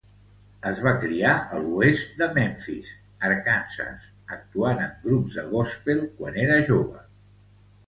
Es va criar a l'oest de Memphis, Arkansas, actuant en grups de gospel quan era jove.